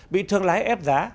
bị thương lái ép giá